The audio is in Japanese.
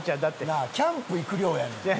なあキャンプ行く量やねん。